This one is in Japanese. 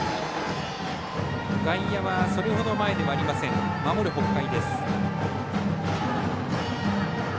外野は、それほど前ではありません、守る北海。